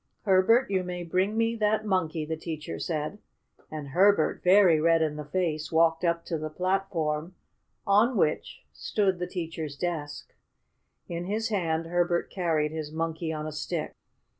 "Herbert, you may bring me that Monkey," the teacher said, and Herbert, very red in the face, walked up to the platform on which stood his teacher's desk. In his hand Herbert carried his Monkey on a Stick.